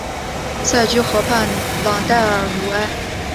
塞居河畔朗代尔鲁埃。